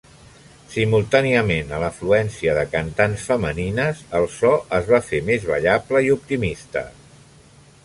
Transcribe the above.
Simultàniament a l'afluència de cantants femenines, el so es va fer més ballable i optimista.